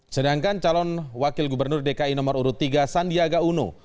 sedangkan calon wakil gubernur dki nomor urut tiga sandiaga uno